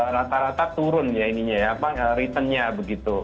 rata rata turun ya ininya ya returnnya begitu